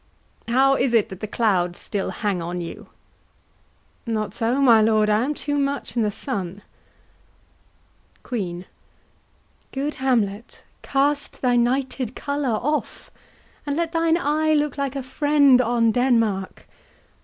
How is it that the clouds still hang on you? HAMLET. Not so, my lord, I am too much i' the sun. QUEEN. Good Hamlet, cast thy nighted colour off, And let thine eye look like a friend on Denmark.